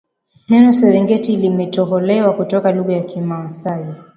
neno serengeti limetoholewa kutoka lugha ya kimasai